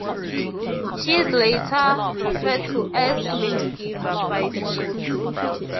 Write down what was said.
She is later referred to as "Mintgiver" by the bots.